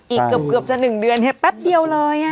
อีกเกือบจะ๑เดือนแป๊บเดียวเลย